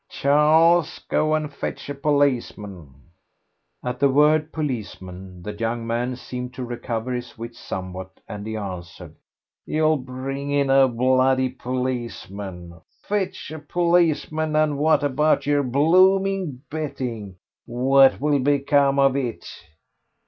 "Charles, go and fetch a policeman." At the word "policeman" the young man seemed to recover his wits somewhat, and he answered, "You'll bring in no bloody policeman. Fetch a policeman! and what about your blooming betting what will become of it?"